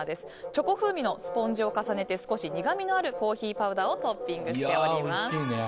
チョコ風味のスポンジを重ねて少し苦みのあるコーヒーパウダーをトッピングしてあります。